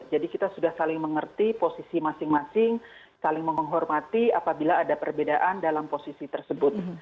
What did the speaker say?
jadi kita sudah saling mengerti posisi masing masing saling menghormati apabila ada perbedaan dalam posisi tersebut